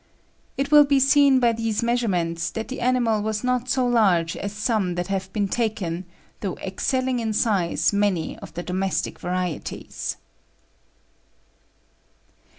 It will be seen by these measurements that the animal was not so large as some that have been taken, though excelling in size many of the domestic varieties.